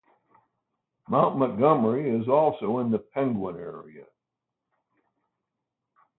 Mount Montgomery is also in the Penguin area.